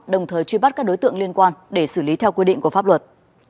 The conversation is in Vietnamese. đồng thời truy bắt các đối tượng liên quan để xử lý theo quy định của pháp luật